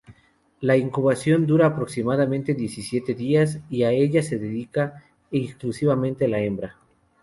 La incubación dura aproximadamente diecisiete días, y a ella se dedica exclusivamente la hembra.